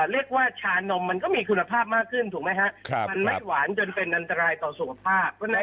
เรียกว่าชานมมันก็มีคุณภาพมากขึ้นถูกไหมไหมคะ